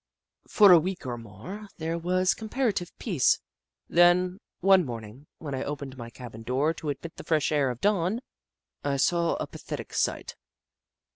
For a week or more there was comparative peace, then, one morning when I opened my cabin door to admit the fresh air of dawn, I saw a pathetic sight.